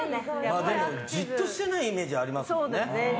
でも、じっとしてないイメージありますもんね。